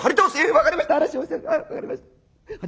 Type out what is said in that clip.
「分かりました！